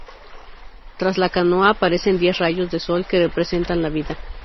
Tras la canoa, aparecen diez rayos de sol, que representan la vida.